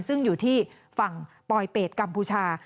ซึ่งอยู่ที่ฝั่งปลอยเป็ดกัมพูชา